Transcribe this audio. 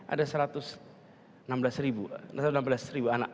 ada satu ratus enam belas ribu anak